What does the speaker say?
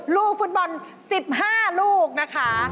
ลูกฟุตบอล๑๕ลูกนะคะ